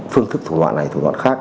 phương thức thủ đoạn này thủ đoạn khác